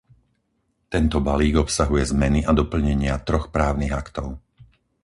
Tento balík obsahuje zmeny a doplnenia troch právnych aktov.